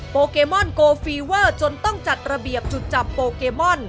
โปเกมอนโกฟีเวอร์จนต้องจัดระเบียบจุดจับโปเกมอน